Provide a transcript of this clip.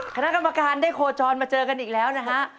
คณะกรรมการได้โคจรมาเจอกันอีกแล้วนะฮะ